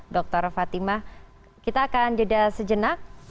dr fatimah kita akan jeda sejenak